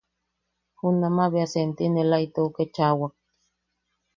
Junamaʼa bea sentiinela itou ketchaʼawak.